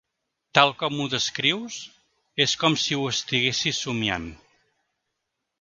Tal com ho descrius, és com si ho estiguessis somiant.